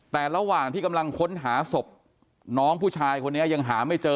แต่ระหว่างที่กำลังค้นหาศพน้องผู้ชายคนนี้ยังหาไม่เจอ